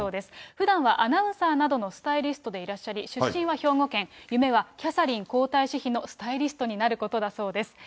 ふだんはアナウンサーなどのスタイリストでいらっしゃり、出身は兵庫県、夢はキャサリン皇太子妃のスタイリストになることだそうです。